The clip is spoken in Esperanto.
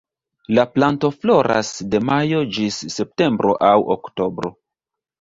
La planto floras de majo ĝis septembro aŭ oktobro.